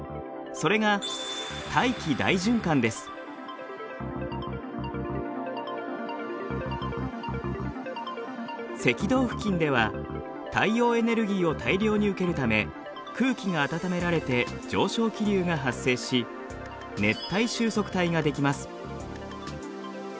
それが赤道付近では太陽エネルギーを大量に受けるため空気が温められて上昇気流が発生し熱帯収束帯が出来ます。